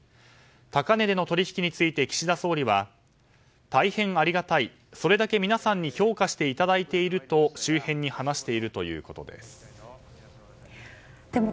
高値での取引について岸田総理は大変ありがたいそれだけ皆さんに評価していただいていると周辺に話しているということです。